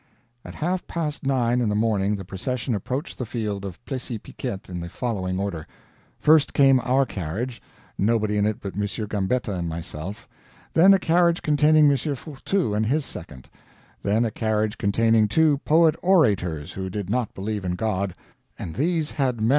At half past nine in the morning the procession approached the field of Plessis Piquet in the following order: first came our carriage nobody in it but M. Gambetta and myself; then a carriage containing M. Fourtou and his second; then a carriage containing two poet orators who did not believe in God, and these had MS.